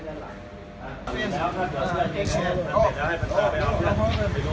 นั่นน่ะเลือดติดตัวอยู่